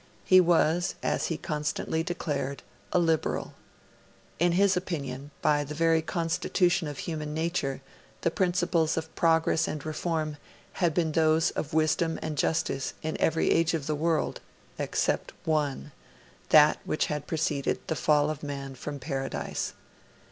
He was, as he constantly declared, a Liberal. In his opinion, by the very constitution of human nature, the principles of progress and reform had been those of wisdom and justice in every age of the world except one: that which had preceded the fall of man from Paradise.